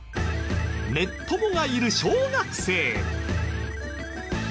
ネッ友がいる小学生。